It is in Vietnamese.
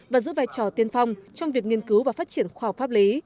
và giữ vai trò tiên phong trong việc nghiên cứu và phát triển khoa học pháp lý